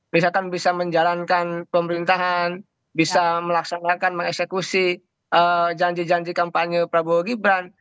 misalkan bisa menjalankan pemerintahan bisa melaksanakan mengeksekusi janji janji kampanye prabowo gibran